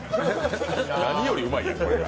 何よりうまいや、これは。